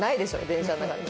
電車の中で。